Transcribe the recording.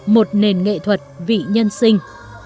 một nền nghệ thuật vị nhân sinh